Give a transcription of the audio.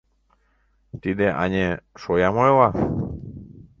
Тиде, ане, шоям ойла...